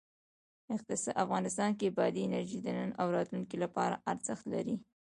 افغانستان کې بادي انرژي د نن او راتلونکي لپاره ارزښت لري.